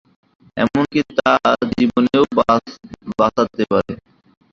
এমনকি তা জীবনও বাঁচাতে পারে।